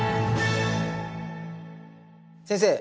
先生